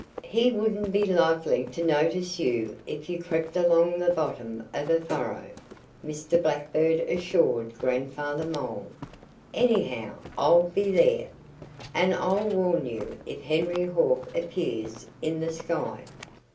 "He wouldn't be likely to notice you if you crept along the bottom of a furrow," Mr. Blackbird assured Grandfather Mole. "Anyhow, I'll be there. And I'll warn you if Henry Hawk appears in the sky."